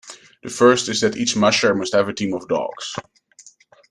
The first is that each musher must have a team of dogs.